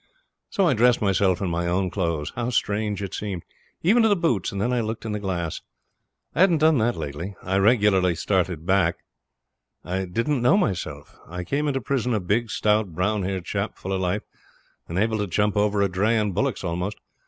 I dressed myself in my own clothes how strange it seemed even to the boots, and then I looked in the glass. I hadn't done that lately. I regularly started back; I didn't know myself; I came into prison a big, stout, brown haired chap, full of life, and able to jump over a dray and bullocks almost.